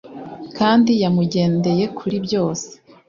Kandi yamugendeye kuri byose